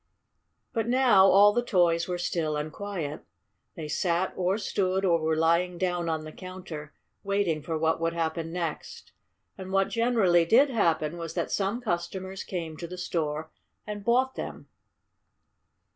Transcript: But now all the toys were still and quiet. They sat or stood or were lying down on the counter, waiting for what would happen next. And what generally did happen was that some customers came to the store and bought them.